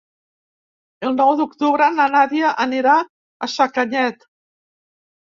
El nou d'octubre na Nàdia anirà a Sacanyet.